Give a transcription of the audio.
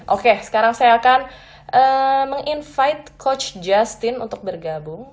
oke sekarang saya akan meng invite coach justin untuk bergabung